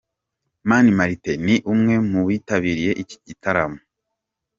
Mani Martin ni umwe mu bitabiriye iki gitaramo.